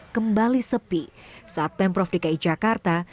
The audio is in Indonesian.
kembali sepi saat pemprov dki jakarta